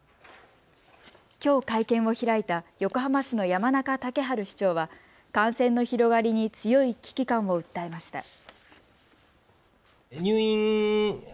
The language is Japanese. きょう会見を開いた横浜市の山中竹春市長は感染の広がりに強い危機感を訴えました。